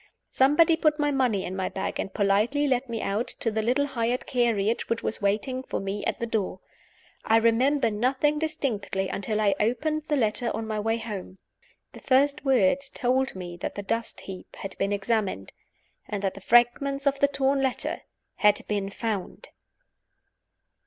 Somebody put my money in my bag, and politely led me out to the little hired carriage which was waiting for me at the door. I remember nothing distinctly until I open ed the letter on my way home. The first words told me that the dust heap had been examined, and that the fragments of the torn letter had been found.